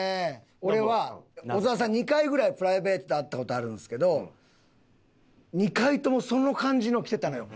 俺は小沢さん２回ぐらいプライベートで会った事あるんですけど２回ともその感じの着てたのよ。